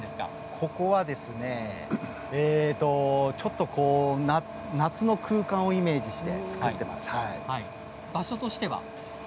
ここはちょっと夏の空間をイメージして場所としては？